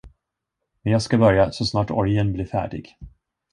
Men jag skall börja, så snart orgeln blir färdig.